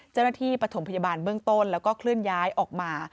เจ้าหน้าที่ประถมพยาบาลเบื้องต้นแล้วก็เคลื่อนย้ายออกมา